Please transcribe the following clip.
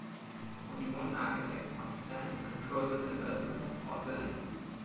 Only one architect must plan and control the development of all buildings.